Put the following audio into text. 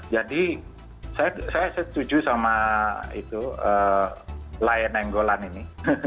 jadi saya setuju sama layan nenggolan ini